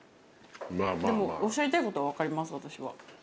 でもおっしゃりたいことは分かります私は。